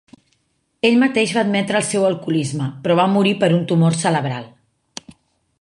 Ell mateix va admetre el seu alcoholisme però va morir per un tumor cerebral.